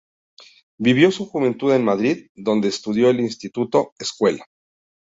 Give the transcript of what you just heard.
Vivió su juventud en Madrid, donde estudió en el Instituto-Escuela.